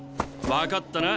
分かったな？